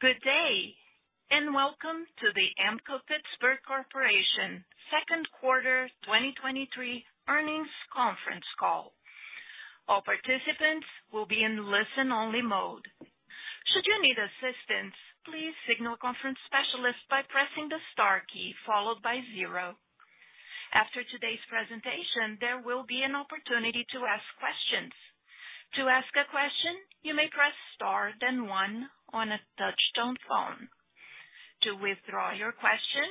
Good day, welcome to the Ampco-Pittsburgh Corporation Q2 2023 Earnings Conference Call. All participants will be in listen-only mode. Should you need assistance, please signal a conference specialist by pressing the star key followed by zero. After today's presentation, there will be an opportunity to ask questions. To ask a question, you may press star, then one on a touchtone phone. To withdraw your question,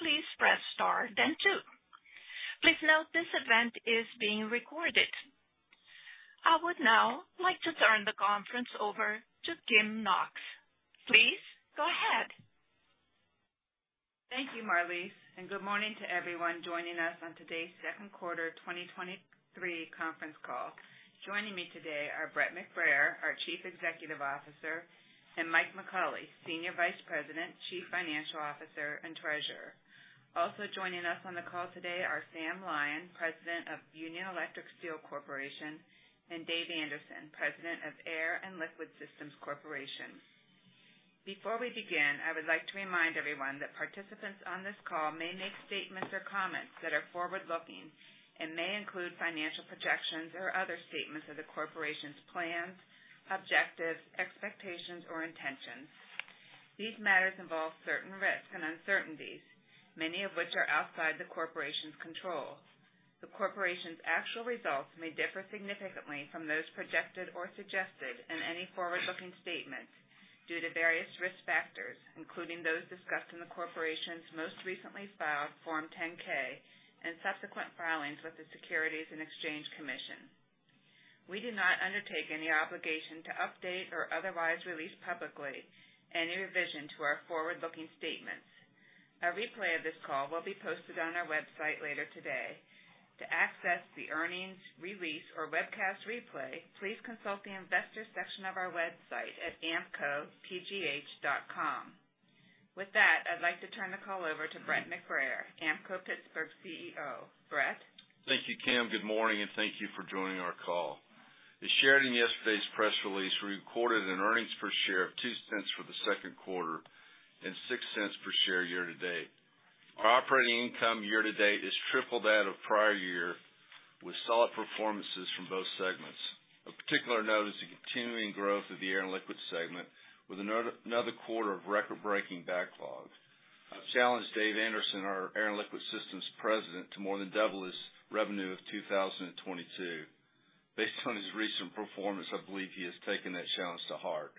please press star, then two. Please note, this event is being recorded. I would now like to turn the conference over to Kim Knox. Please go ahead. Thank you, Marlise. Good morning to everyone joining us on today's Q2 2023 conference call. Joining me today are Brett McBrayer, our Chief Executive Officer, and Mike McAuley, Senior Vice President, Chief Financial Officer, and Treasurer. Joining us on the call today are Sam Lyon, President of Union Electric Steel Corporation, and Dave Anderson, President of Air & Liquid Systems Corporation. Before we begin, I would like to remind everyone that participants on this call may make statements or comments that are forward-looking and may include financial projections or other statements of the corporation's plans, objectives, expectations, or intentions. These matters involve certain risks and uncertainties, many of which are outside the corporation's control. The corporation's actual results may differ significantly from those projected or suggested in any forward-looking statements due to various risk factors, including those discussed in the corporation's most recently filed Form 10-K and subsequent filings with the Securities and Exchange Commission. We do not undertake any obligation to update or otherwise release publicly any revision to our forward-looking statements. A replay of this call will be posted on our website later today. To access the earnings release or webcast replay, please consult the investors section of our website at ampcopgh.com. With that, I'd like to turn the call over to Brett McBrayer, Ampco-Pittsburgh's CEO. Brett? Thank you, Kim. Good morning, thank you for joining our call. As shared in yesterday's press release, we recorded an earnings per share of $0.02 for the Q2 and $0.06 per share year-to-date. Our operating income year-to-date has tripled that of prior year, with solid performances from both segments. Of particular note is the continuing growth of the Air and Liquid segment, with another quarter of record-breaking backlog. I've challenged Dave Anderson, our Air and Liquid Systems President, to more than double his revenue of 2022. Based on his recent performance, I believe he has taken that challenge to heart.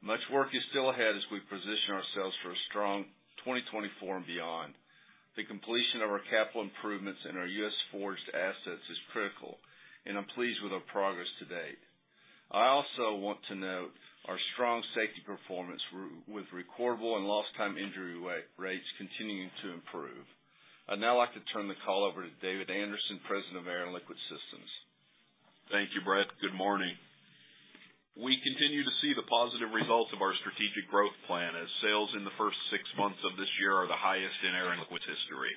Much work is still ahead as we position ourselves for a strong 2024 and beyond. The completion of our capital improvements in our U.S. Forged assets is critical, and I'm pleased with our progress to date. I also want to note our strong safety performance, with recordable and lost time injury rates continuing to improve. I'd now like to turn the call over to David Anderson, President of Air and Liquid Systems. Thank you, Brett. Good morning. We continue to see the positive results of our strategic growth plan, as sales in the first six months of this year are the highest in Air and Liquid's history.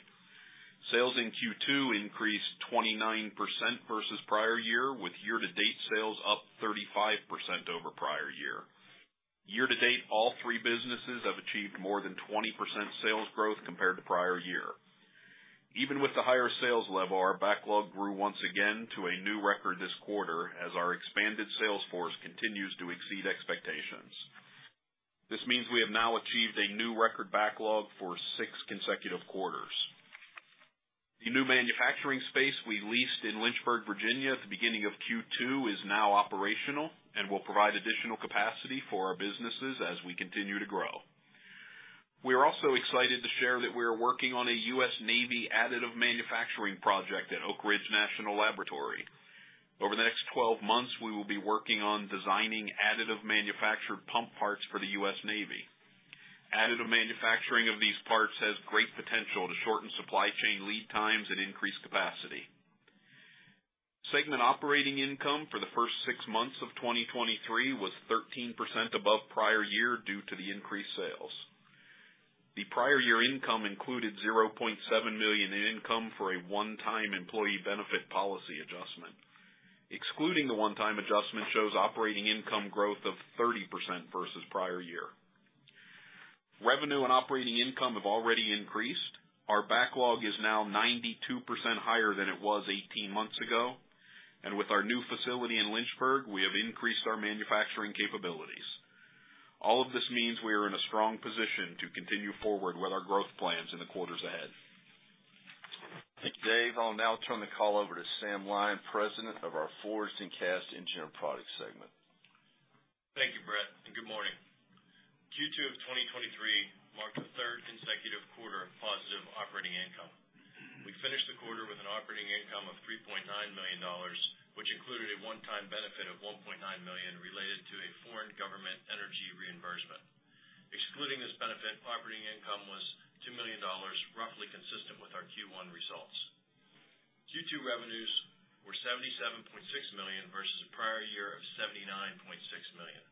Sales in Q2 increased 29% versus prior year, with year-to-date sales up 35% over prior year. Year-to-date, all three businesses have achieved more than 20% sales growth compared to prior year. Even with the higher sales level, our backlog grew once again to a new record this quarter, as our expanded sales force continues to exceed expectations. This means we have now achieved a new record backlog for six consecutive quarters. The new manufacturing space we leased in Lynchburg, Virginia, at the beginning of Q2, is now operational and will provide additional capacity for our businesses as we continue to grow. We are also excited to share that we are working on a U.S. Navy additive manufacturing project at Oak Ridge National Laboratory. Over the next 12 months, we will be working on designing additive manufactured pump parts for the U.S. Navy. Additive manufacturing of these parts has great potential to shorten supply chain lead times and increase capacity. Segment operating income for the first six months of 2023 was 13% above prior year due to the increased sales. The prior year income included $0.7 million in income for a one-time employee benefit policy adjustment. Excluding the one-time adjustment, shows operating income growth of 30% versus prior year. Revenue and operating income have already increased. Our backlog is now 92% higher than it was 18 months ago, and with our new facility in Lynchburg, we have increased our manufacturing capabilities. All of this means we are in a strong position to continue forward with our growth plans in the quarters ahead. Thank you, Dave. I'll now turn the call over to Sam Lyon, President of our Forged and Cast Engineered Products segment. Thank you, Brett. Good morning. Q2 of 2023 marked the third consecutive quarter of positive operating income. We finished the quarter with an operating income of $3.9 million, which included a one-time benefit of $1.9 million related to a foreign government energy reimbursement. Excluding this benefit, operating income was $2 million, roughly consistent with our Q1 results. Q2 revenues were $77.6 million versus a prior year of $79.6 million.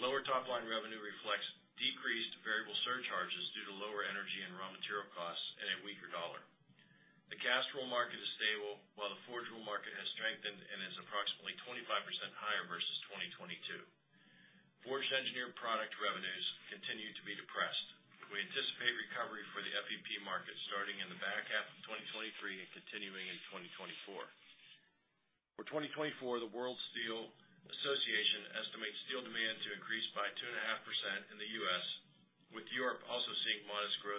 Lower top line revenue reflects decreased variable surcharges due to lower energy and raw material costs and a weaker dollar. The cast roll market is stable, while the forged roll market has strengthened and is approximately 25% higher versus 2022. Forged Engineered Products revenues continue to be depressed. We anticipate recovery for the FEP market starting in the back half of 2023 and continuing in 2024. For 2024, the World Steel Association estimates steel demand to increase by 2.5% in the U.S., with Europe also seeing modest growth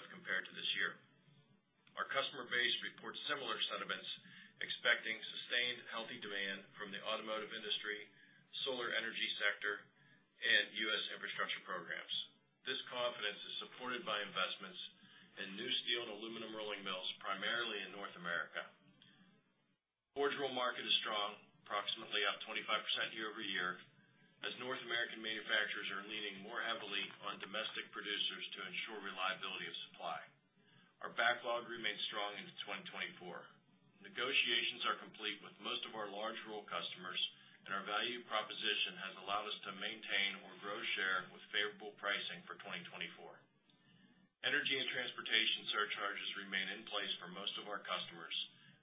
compared to this year. Our customer base reports similar sentiments, expecting sustained healthy demand from the automotive industry, solar energy sector, and U.S. infrastructure programs. This confidence is supported by investments in new steel and aluminum rolling mills, primarily in North America. Forged roll market is strong, approximately up 25% year-over-year, as North American manufacturers are leaning more heavily on domestic producers to ensure reliability of supply. Our backlog remains strong into 2024. Negotiations are complete with most of our large roll customers, and our value proposition has allowed us to maintain or grow share with favorable pricing for 2024. Energy and transportation surcharges remain in place for most of our customers,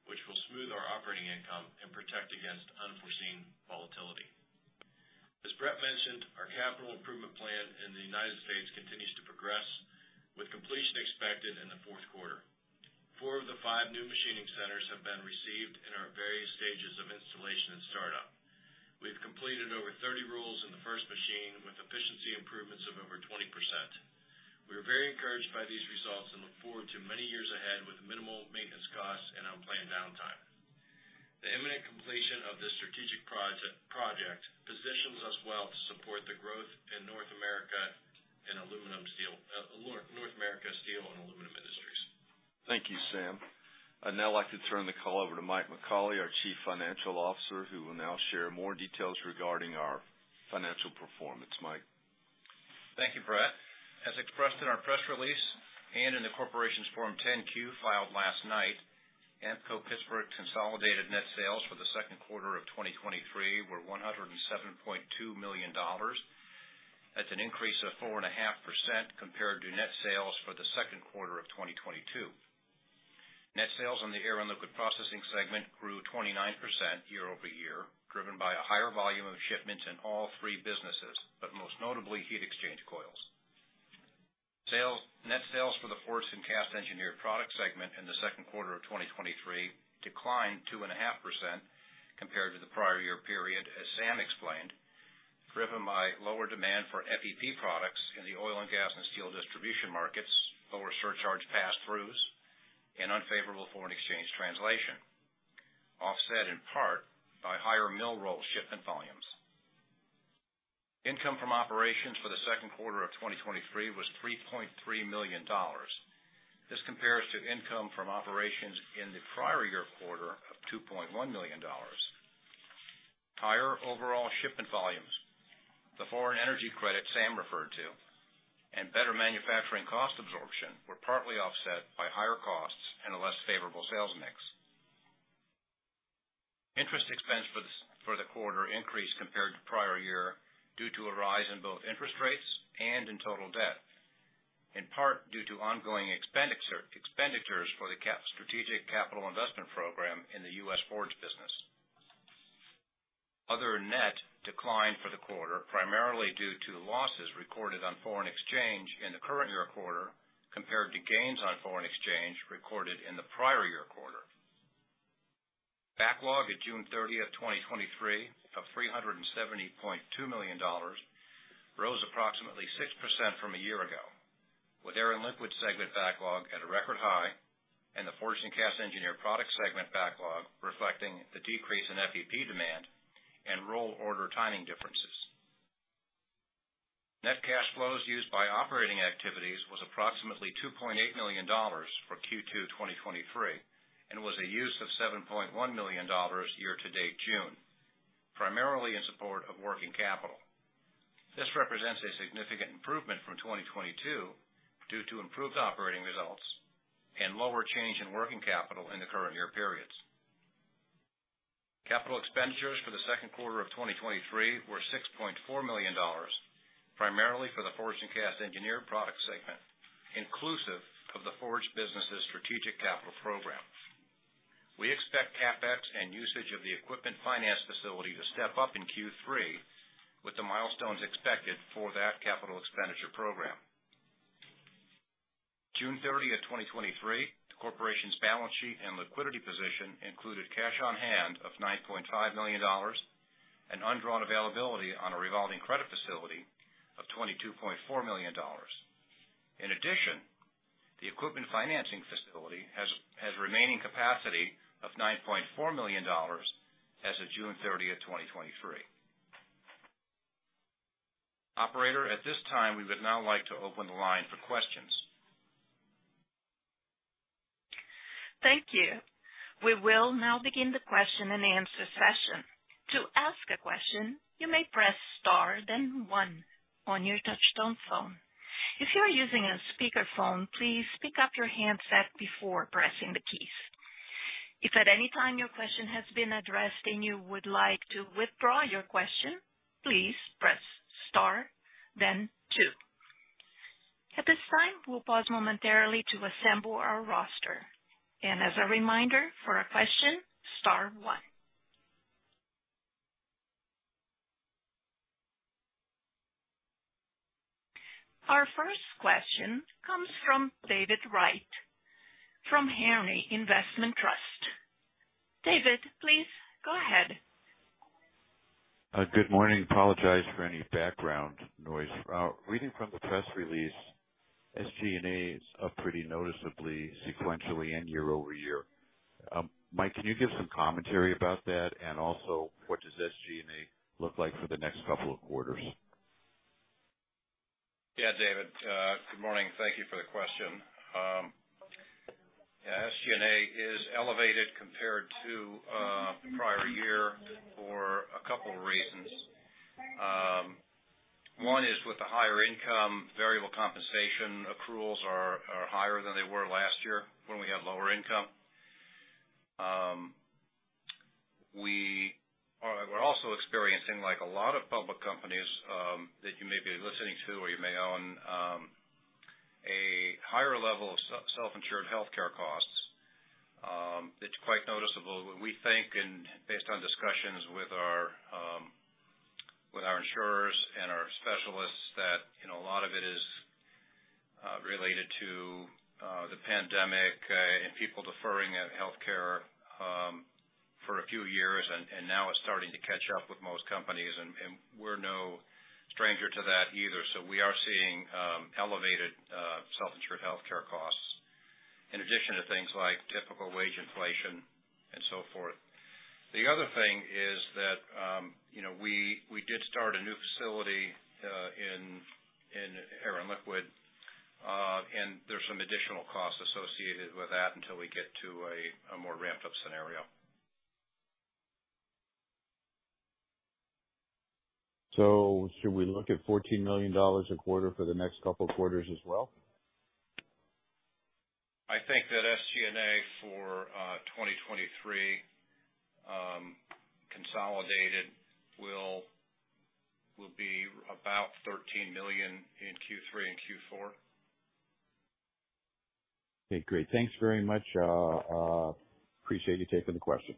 which will smooth our operating income and protect against unforeseen volatility. As Brett mentioned, our capital improvement plan in the United States continues to progress, with completion expected in the Q4. four of the five new machining centers have been received and are at various stages of installation and startup. We've completed over 30 rolls in the first machine, with efficiency improvements of over 20%. We are very encouraged by these results and look forward to many years ahead with minimal maintenance costs and unplanned downtime. The imminent completion of this strategic project positions us well to support the growth in North America in aluminum, steel, North America steel and aluminum industries. Thank you, Sam. I'd now like to turn the call over to Mike McAuley, our Chief Financial Officer, who will now share more details regarding our financial performance. Mike? Thank you, Brett. As expressed in our press release and in the corporation's Form 10-Q filed last night, Ampco-Pittsburgh consolidated net sales for the Q2 of 2023 were $107.2 million. That's an increase of 4.5% compared to net sales for the Q2 of 2022. Net sales on the Air and Liquid Processing segment grew 29% year-over-year, driven by a higher volume of shipments in all three businesses, but most notably, heat exchange coils. Sales, net sales for the Forged and Cast Engineered Products segment in the Q2 of 2023 declined 2.5% compared to the prior year period, as Sam explained, driven by lower demand for FEP products in the oil and gas and steel distribution markets, lower surcharge passthroughs, and unfavorable foreign exchange translation, offset in part by higher mill roll shipment volumes. Income from operations for the Q2 of 2023 was $3.3 million. This compares to income from operations in the prior year quarter of $2.1 million. Higher overall shipment volumes, the foreign energy credit Sam referred to, and better manufacturing cost absorption were partly offset by higher costs and a less favorable sales mix. Interest expense for the quarter increased compared to prior year, due to a rise in both interest rates and in total debt, in part due to ongoing expenditures for the strategic capital investment program in the U.S. forge business. Other net decline for the quarter, primarily due to losses recorded on foreign exchange in the current year quarter, compared to gains on foreign exchange recorded in the prior year quarter. Backlog at June 30th, 2023, of $370.2 million, rose approximately 6% from a year ago, with Air and Liquid segment backlog at a record high, and the Forged and Cast Engineered Products segment backlog reflecting the decrease in FEP demand and roll order timing differences. Net cash flows used by operating activities was approximately $2.8 million for Q2 2023, and was a use of $7.1 million year-to-date June, primarily in support of working capital. This represents a significant improvement from 2022, due to improved operating results and lower change in working capital in the current year periods. Capital expenditures for the Q2 of 2023 were $6.4 million, primarily for the Forged and Cast Engineered Products segment, inclusive of the forged business's strategic capital program. We expect CapEx and usage of the equipment financing facility to step up in Q3, with the milestones expected for that capital expenditure program. June 30th, 2023, the corporation's balance sheet and liquidity position included cash on hand of $9.5 million and undrawn availability on a revolving credit facility of $22.4 million. In addition, the equipment financing facility has remaining capacity of $9.4 million as of June 30th, 2023. Operator, at this time, we would now like to open the line for questions. Thank you. We will now begin the question-and-answer session. To ask a question, you may press star then one on your touchtone phone. If you are using a speakerphone, please pick up your handset before pressing the keys. If at any time your question has been addressed and you would like to withdraw your question, please press star then two. We'll pause momentarily to assemble our roster. As a reminder, for a question, star one. Our first question comes from David Wright from Henry Investment Trust. David, please go ahead. Good morning. Apologize for any background noise. Reading from the press release, SG&As are pretty noticeably sequentially and year-over-year. Mike, can you give some commentary about that? Also, what does SG&A look like for the next couple of quarters? Yeah, David, good morning. Thank you for the question. Yeah, SG&A is elevated compared to prior year for a couple of reasons. One is, with the higher income, variable compensation accruals are higher than they were last year when we had lower income. We're also experiencing, like a lot of public companies, that you may be listening to or you may own, a higher level of self-insured healthcare costs. It's quite noticeable. We think, and based on discussions with our with our insurers and our specialists, that, you know, a lot of it is related to the pandemic and people deferring healthcare for a few years, and now it's starting to catch up with most companies, and we're no stranger to that either. We are seeing, elevated, self-insured healthcare costs, in addition to things like typical wage inflation and so forth. The other thing is that, you know, we, we did start a new facility, in, in Air and Liquid, and there's some additional costs associated with that until we get to a, a more ramped-up scenario. Should we look at $14 million a quarter for the next couple of quarters as well? I think that SG&A for 2023 consolidated will, will be about $13 million in Q3 and Q4. Okay, great. Thanks very much. Appreciate you taking the question.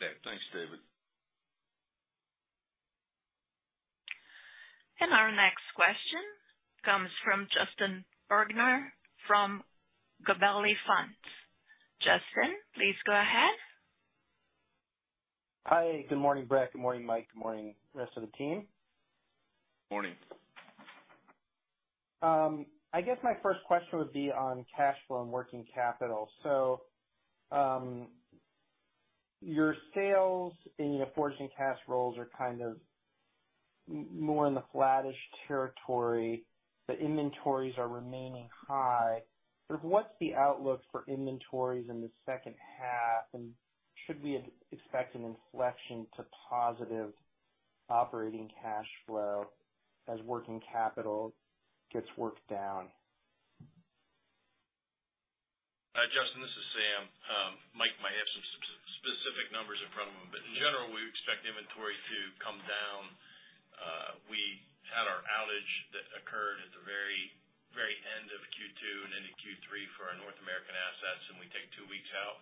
Yeah. Thanks, David. Our next question comes from Justin Bergner from Gabelli Funds. Justin, please go ahead. Hi, good morning, Brett. Good morning, Mike. Good morning, rest of the team. Morning. I guess my first question would be on cash flow and working capital. Your sales in your forging cash rolls are kind of more in the flattish territory. The inventories are remaining high. Sort of what's the outlook for inventories in the second half, and should we expect an inflection to positive operating cash flow as working capital gets worked down? Justin, this is Sam. Mike might have some s- specific numbers in front of him, but in general, we expect inventory to come down. We had our outage that occurred at the very, very end of Q2 and into Q3 for our North American assets, and we take two weeks out.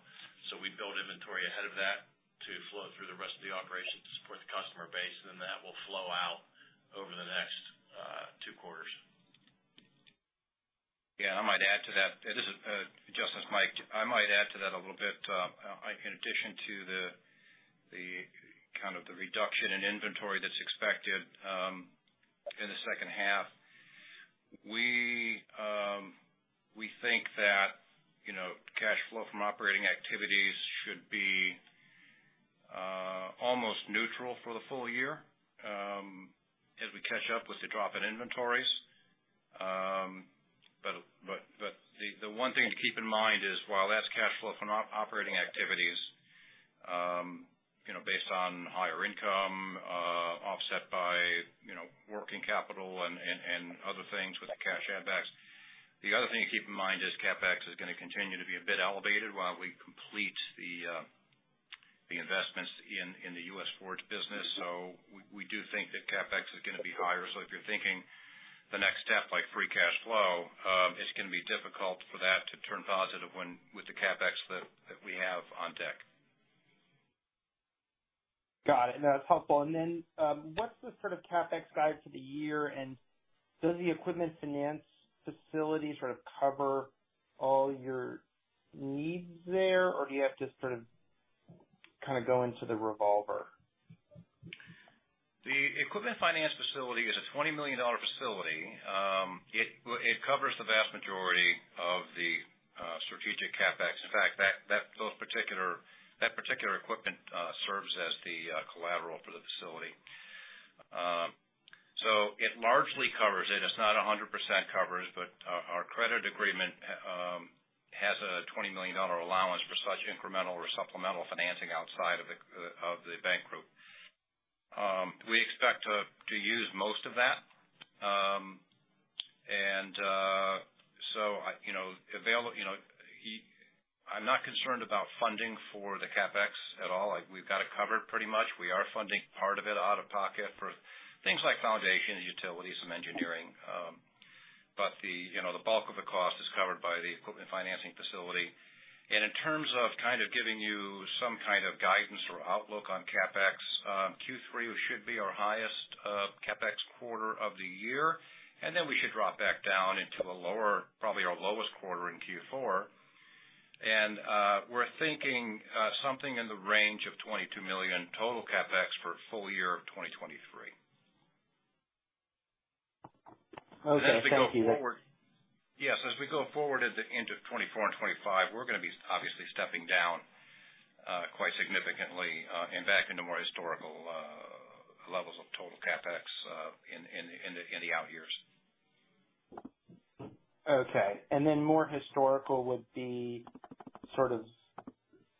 We build inventory ahead of that to flow through the rest of the operation to support the customer base, and then that will flow out over the next two quarters. Yeah, I might add to that. This is Justin, it's Mike. I might add to that a little bit. In addition to the, the kind of the reduction in inventory that's expected, in the second half, we think that, you know, cash flow from operating activities should be almost neutral for the full year, as we catch up with the drop in inventories. The one thing to keep in mind is, while that's cash flow from operating activities, you know, based on higher income, offset by, you know, working capital and, and, and other things with the cash add backs. The other thing to keep in mind is CapEx is going to continue to be a bit elevated while we complete the investments in the U.S. forge business. We, we do think that CapEx is going to be higher. If you're thinking the next step, like free cash flow, it's going to be difficult for that to turn positive when with the CapEx that, that we have on deck. Got it. No, that's helpful. Then, what's the sort of CapEx guide for the year, and does the equipment finance facility sort of cover all your needs there, or do you have to sort of kind of go into the revolver? The equipment finance facility is a $20 million facility. It covers the vast majority of the strategic CapEx. In fact, those particular, that particular equipment serves as the collateral for the facility. It largely covers it. It's not 100% coverage, but our credit agreement has a $20 million allowance for such incremental or supplemental financing outside of the bank group. We expect to use most of that. You know, I'm not concerned about funding for the CapEx at all. Like, we've got it covered pretty much. We are funding part of it out of pocket for things like foundation, utilities, and engineering. The, you know, the bulk of the cost is covered by the equipment financing facility. In terms of kind of giving you some kind of guidance or outlook on CapEx, Q3 should be our highest CapEx quarter of the year, and then we should drop back down into a lower, probably our lowest quarter in Q4. We're thinking something in the range of $22 million total CapEx for full year of 2023. Okay, thank you. As we go forward at the end of 2024 and 2025, we're gonna be obviously stepping down quite significantly and back into more historical levels of total CapEx in the outyears. Okay, then more historical would be sort of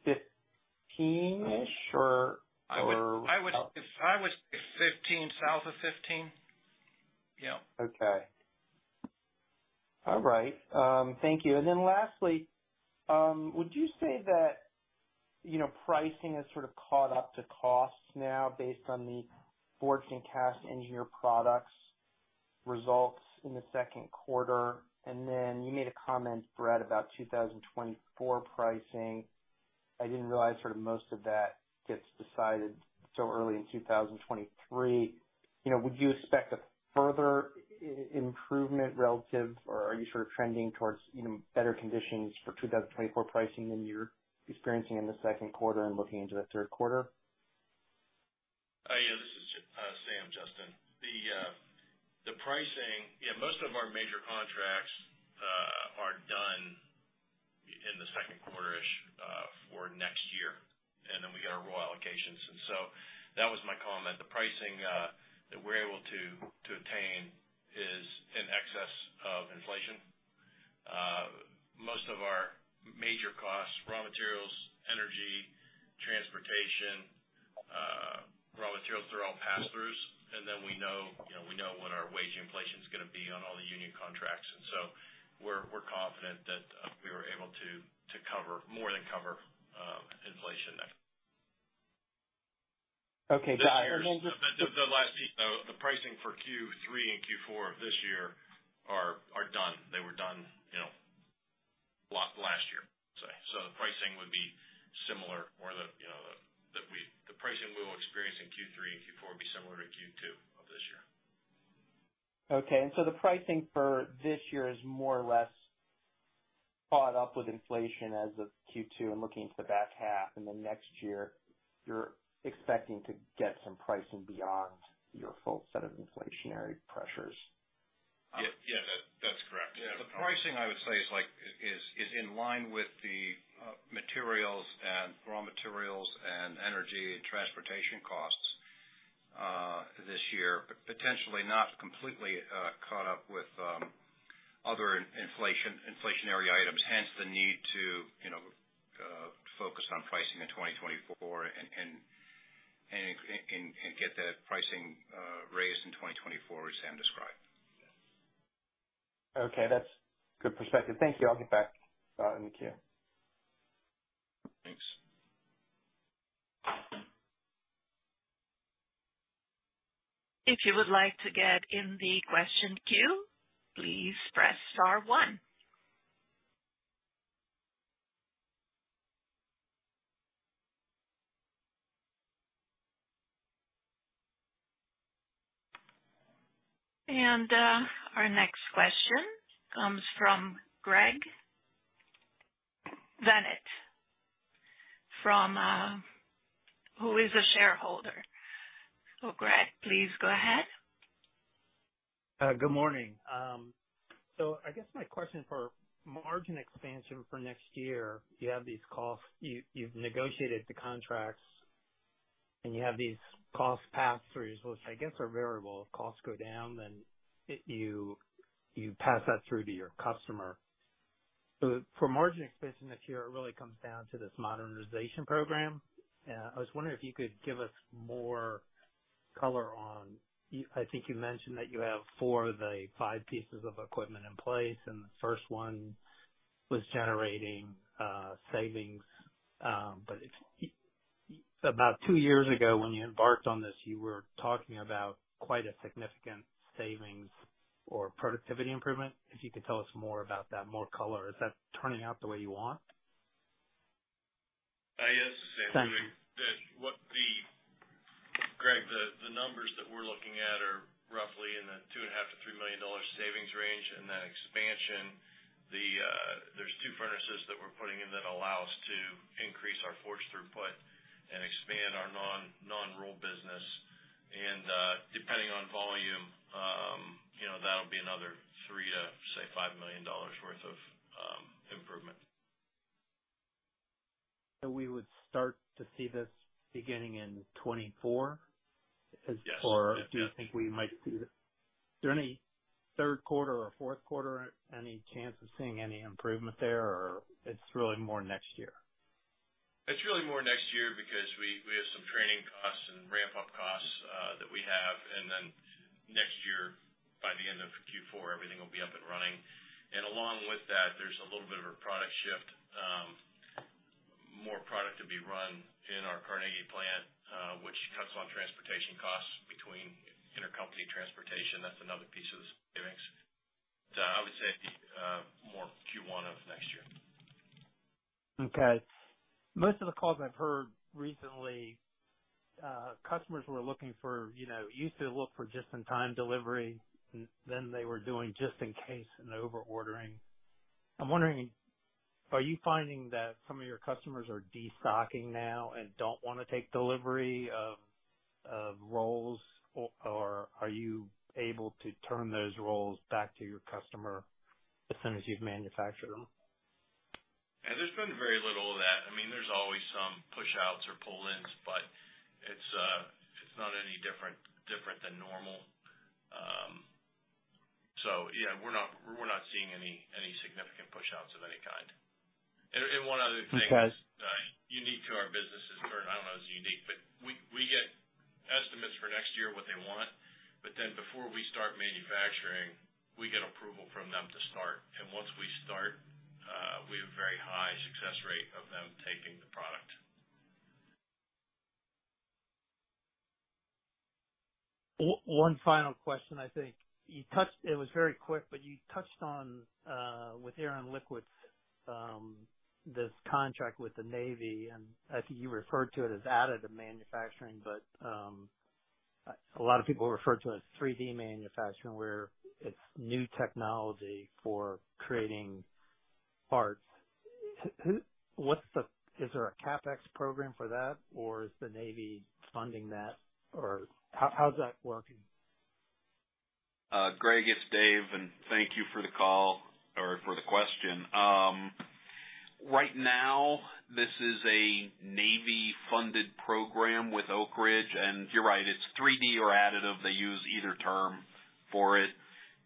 15-ish, or? I would, I would, if I was 15, south of 15. Yeah. Okay. All right, thank you. Lastly, would you say that, you know, pricing has sort of caught up to costs now based on the Forged and Cast Engineered Products results in the Q2? Then you made a comment, Brett, about 2024 pricing. I didn't realize sort of most of that gets decided so early in 2023. You know, would you expect a further improvement relative, or are you sort of trending towards, you know, better conditions for 2024 pricing than you're experiencing in the Q2 and looking into the Q3? Yeah, this is Sam, Justin. The pricing. Yeah, most of our major contracts are done in the Q2-ish for next year, and then we get our raw allocations. That was my comment. The pricing that we're able to attain is in excess of inflation. Most of our major costs, raw materials, energy, transportation, raw materials are all pass-throughs, and then we know, you know, we know what our wage inflation is gonna be on all the union contracts, and so we're confident that we were able to cover, more than cover, inflation there. Okay, got it. The last piece, though, the pricing for Q3 and Q4 of this year are done. They were done, you know, last year. The pricing would be similar or you know, that we. The pricing we will experience in Q3 and Q4 will be similar to Q2 of this year. Okay, so the pricing for this year is more or less caught up with inflation as of Q2 and looking into the back half and the next year, you're expecting to get some pricing beyond your full set of inflationary pressures? Yeah. Yeah, that, that's correct. Yeah, the pricing, I would say, is like, is in line with the materials and raw materials and energy and transportation costs this year, but potentially not completely caught up with other inflationary items, hence the need to, you know, focus on pricing in 2024 and get that pricing raised in 2024, as Sam described. Okay, that's good perspective. Thank you. I'll get back in the queue. Thanks. If you would like to get in the question queue, please press star one. Our next question comes from Greg Venit, from, who is a shareholder. So Greg, please go ahead. Good morning. I guess my question for margin expansion for next year, you have these costs, you, you've negotiated the contracts, and you have these cost pass-throughs, which I guess are variable. If costs go down, then you, you pass that through to your customer. For margin expansion next year, it really comes down to this modernization program. I was wondering if you could give us more color on. I think you mentioned that you have four of the five pieces of equipment in place, and the first one was generating savings. But about two years ago, when you embarked on this, you were talking about quite a significant savings or productivity improvement. If you could tell us more about that, more color, is that turning out the way you want? Yes, this is Sam. Greg, the numbers that we're looking at are roughly in the $2.5 million-$3 million savings range, then expansion, there's two furnaces that we're putting in that allow us to increase our forged throughput and expand our non-rural business. Depending on volume, you know, that'll be another $3 million-$5 million worth of improvement. So, we would start to see this beginning in 2024? Yes. Do you think we might see or during Q3 or Q4, any chance of seeing any improvement there, or it's really more next year? It's really more next year because we, we have some training costs and ramp-up costs, that we have, by the end of Q4, everything will be up and running. Along with that, there's a little bit of a product shift, more product to be run in our Carnegie plant, which cuts on transportation costs between intercompany transportation. That's another piece of the savings. I would say, more Q1 of next year. Okay. Most of the calls I've heard recently, customers were looking for, you know, used to look for just-in-time delivery, and then they were doing just in case and over ordering. I'm wondering, are you finding that some of your customers are destocking now and don't want to take delivery of, of rolls, or, or are you able to turn those rolls back to your customer as soon as you've manufactured them? Yeah, there's been very little of that. I mean, there's always some push outs or pull-ins, but it's not any different, different than normal. Yeah, we're not, we're not seeing any, any significant pushouts of any kind. And one other thing- Okay. unique to our business is, or I don't know if it's unique, but we, we get estimates for next year, what they want. Then before we start manufacturing, we get approval from them to start, and once we start, we have a very high success rate of them taking the product. One final question, I think. You touched, it was very quick, but you touched on with Air and Liquid, this contract with the Navy, and I think you referred to it as additive manufacturing, but a lot of people refer to it as 3D manufacturing, where it's new technology for creating parts. Who, what's the, is there a CapEx program for that, or is the Navy funding that? Or how, how's that working? Greg, it's Dave, thank you for the call or for the question. Right now, this is a Navy-funded program with Oak Ridge, you're right, it's 3D or additive. They use either term for it.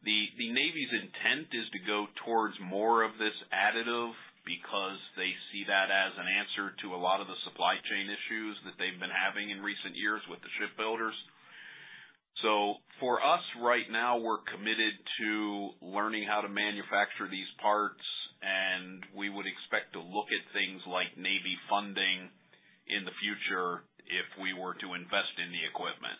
The, the Navy's intent is to go towards more of this additive because they see that as an answer to a lot of the supply chain issues that they've been having in recent years with the shipbuilders. For us right now, we're committed to learning how to manufacture these parts, we would expect to look at things like Navy funding in the future if we were to invest in the equipment.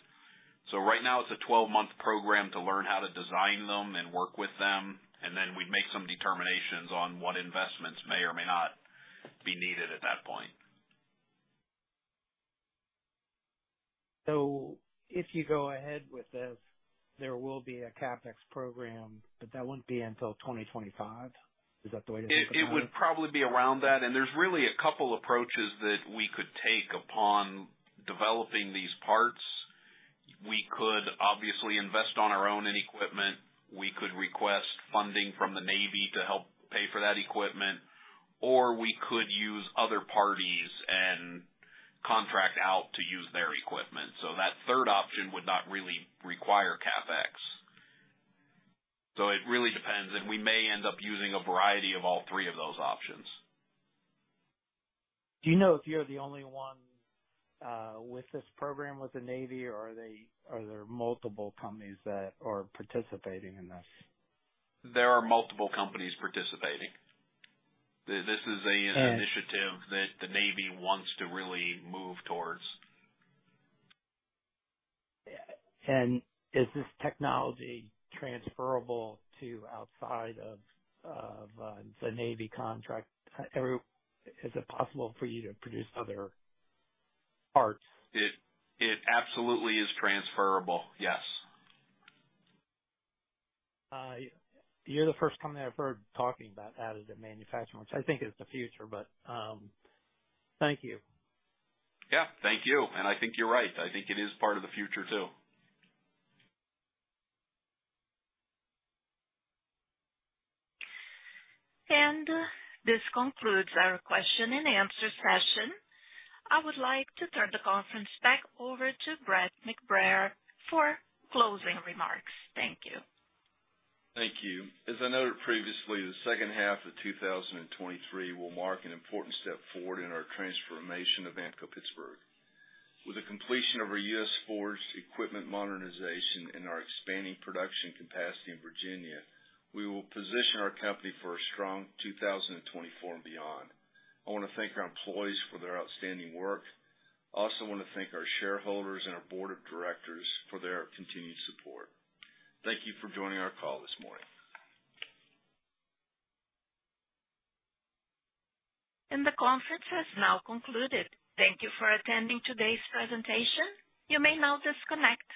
Right now it's a 12-month program to learn how to design them and work with them, we'd make some determinations on what investments may or may not be needed at that point. If you go ahead with this, there will be a CapEx program, but that wouldn't be until 2025. Is that the way to think about it? It would probably be around that. There's really a couple approaches that we could take upon developing these parts. We could obviously invest on our own in equipment. We could request funding from the Navy to help pay for that equipment, or we could use other parties and contract out to use their equipment. That third option would not really require CapEx. It really depends, and we may end up using a variety of all three of those options. Do you know if you're the only one, with this program with the Navy, or are they, are there multiple companies that are participating in this? There are multiple companies participating. This is. Okay. an initiative that the Navy wants to really move towards. Is this technology transferable to outside of, of, the Navy contract? Is it possible for you to produce other parts? It absolutely is transferable, yes. You're the first company I've heard talking about additive manufacturing, which I think is the future, but thank you. Yeah, thank you. I think you're right. I think it is part of the future, too. This concludes our question and answer session. I would like to turn the conference back over to Brett McBrayer for closing remarks. Thank you. Thank you. As I noted previously, the second half of 2023 will mark an important step forward in our transformation of Ampco-Pittsburgh. With the completion of our U.S. Forge equipment modernization and our expanding production capacity in Virginia, we will position our company for a strong 2024 and beyond. I want to thank our employees for their outstanding work. I also want to thank our shareholders and our board of directors for their continued support. Thank you for joining our call this morning. The conference has now concluded. Thank you for attending today's presentation. You may now disconnect.